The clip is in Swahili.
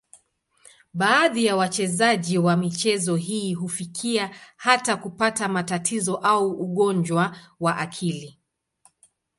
Baadhi ya wachezaji wa michezo hii hufikia hata kupata matatizo au ugonjwa wa akili.